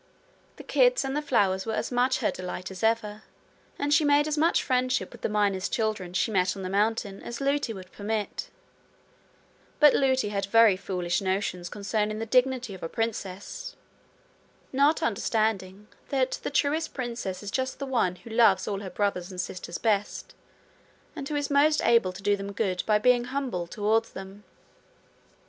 The kids and the flowers were as much her delight as ever, and she made as much friendship with the miners' children she met on the mountain as Lootie would permit; but Lootie had very foolish notions concerning the dignity of a princess, not understanding that the truest princess is just the one who loves all her brothers and sisters best, and who is most able to do them good by being humble towards them.